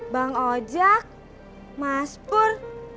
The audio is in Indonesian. bang ojak mas pur